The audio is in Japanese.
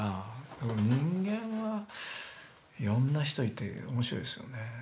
でも人間はいろんな人いて面白いですよね。